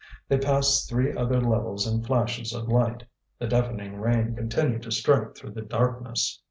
They passed three other levels in flashes of light. The deafening rain continued to strike through the darkness.